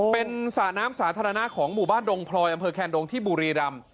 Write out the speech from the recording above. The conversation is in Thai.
เป็นสระน้ำสาธารณะของหมู่บ้านดงพลอยอำเภอแคนดงที่บุรีรำ